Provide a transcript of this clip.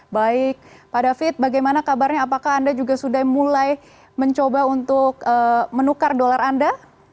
baik pak david bagaimana kabarnya apakah anda juga sudah mulai mencoba untuk menukar dolar anda